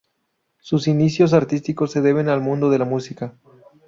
Sus inicios artísticos se deben al mundo de la música.